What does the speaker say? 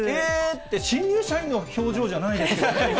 って、新入社員の表情じゃないですよね。